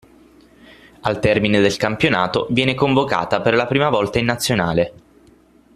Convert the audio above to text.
Al termine del campionato, viene convocata per la prima volta in nazionale.